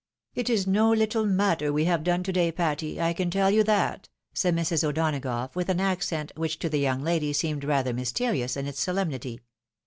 " It is no little matter we have done to day, Patty, I can tell you that," said Mrs. O'Donagough, with an accent, which to the young lady seemed rather mysterious in its solemnity.